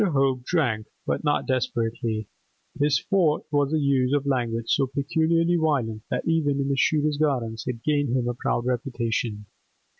Hope drank, but not desperately. His forte was the use of language so peculiarly violent that even in Shooter's Gardens it gained him a proud reputation.